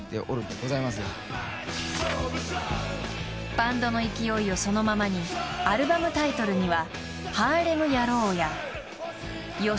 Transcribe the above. ［バンドの勢いをそのままにアルバムタイトルには］